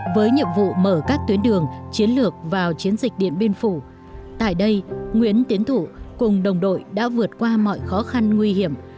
với nhiệm vụ mở các tuyến đường chiến lược vào chiến dịch điện biên phủ tại đây nguyễn tiến thủ cùng đồng đội đã vượt qua mọi khó khăn nguy hiểm